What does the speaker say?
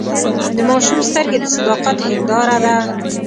د ماشوم سترګې د صداقت هنداره ده.